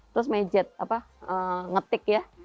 terus mejet apa ngetik ya